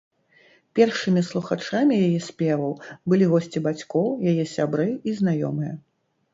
Першымі слухачамі яе спеваў былі госці бацькоў, яе сябры і знаёмыя.